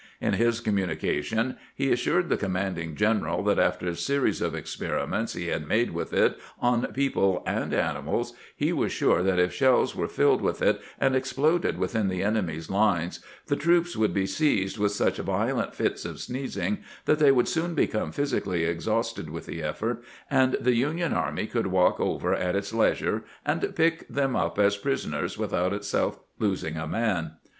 In his com munication he assured the commanding general that after a series of experiments he had made with it on people and animals, he was sure that if shells were filled with it and exploded within the enemy's lines, the troops would be seized with such violent fits of sneezing that they would soon become physically exhausted with the effort, and the Union army could walk over at its leisure and pick them up as prisoners without itself losing a man.